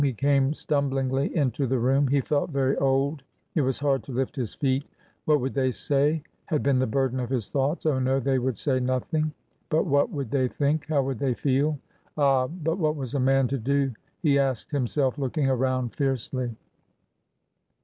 He came stumblingly into the room. He felt very old— it was hard to lift his feet. What would they say? had been the burden of his thoughts. Oh, no, they would say nothing. But what would they think? how would they feel? Ah! — But what was a man to do? he asked himself, looking around fiercely.